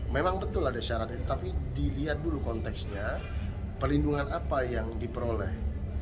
memang betul ada syarat itu tapi dilihat dulu konteksnya pelindungan apa yang diperoleh